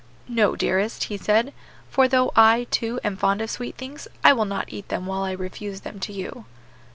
"No, dearest," he said; "for though I, too, am fond of sweet things, I will not eat them while I refuse them to you."